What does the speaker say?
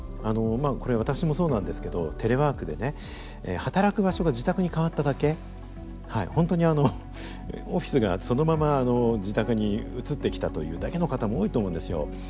あのこれ私もそうなんですけどテレワークでね働く場所が自宅に変わっただけ本当にあのオフィスがそのまま自宅に移ってきたというだけの方も多いと思うんですよ。